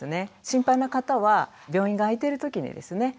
心配な方は病院が開いてる時にですね